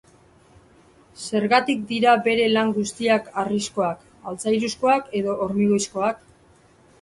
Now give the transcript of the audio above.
Zergatik dira bere lan guztiak harrizkoak, altzairuzkoak edo hormigoizkoak?